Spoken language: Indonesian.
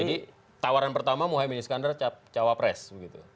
jadi tawaran pertama muhyiddin iskandar cawapres begitu